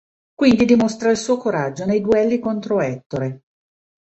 Quindi dimostra il suo coraggio nei duelli contro Ettore.